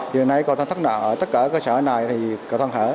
giờ này cầu thang thắt nạn ở tất cả các cơ sở này thì cầu thang hở